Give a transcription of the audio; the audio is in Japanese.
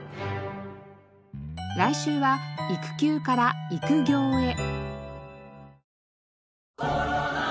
来週は育休から育業へ。